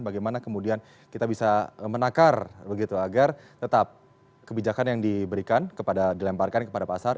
bagaimana kemudian kita bisa menakar begitu agar tetap kebijakan yang diberikan kepada dilemparkan kepada pasar